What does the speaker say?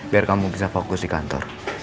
biar kamu bisa fokus di kantor